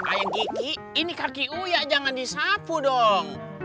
eh eh eh ayang kiki ini kaki uya jangan disapu dong